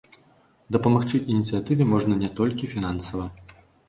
Дапамагчы ініцыятыве можна не толькі фінансава.